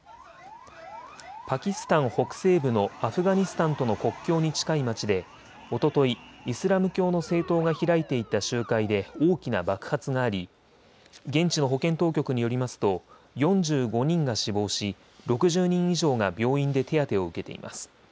パキスタン北西部のアフガニスタンとの国境に近い町でおとといイスラム教の政党が開いていた集会で大きな爆発があり現地の保健当局によりますと４５人が死亡し６０人以上が病院で手当てを受けています。